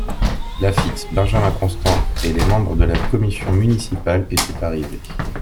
Laffite, Benjamin Constant et les membres de la Commission municipale étaient arrivés.